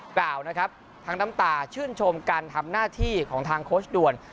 กล่าวนะครับทั้งน้ำตาชื่นชมการทำหน้าที่ของทางโค้ชด่วน